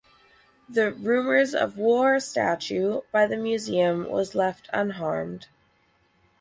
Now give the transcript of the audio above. The "Rumors of War" statue by the Museum was left unharmed.